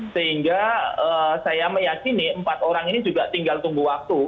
sehingga saya meyakini empat orang ini juga tinggal tunggu waktu